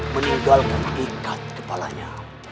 meninggalkan ikat kepalanya